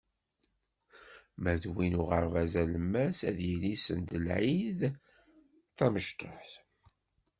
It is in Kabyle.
Ma d win n uɣerbaz alemmas, ad d-yili send lɛid tamecṭuḥt.